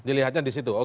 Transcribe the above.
dilihatnya disitu oke